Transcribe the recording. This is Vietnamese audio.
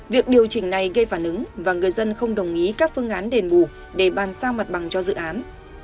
việc điều chỉnh này gây phản ứng và người dân không đồng ý các phương án đền bù để bàn sao mặt bằng cho dự án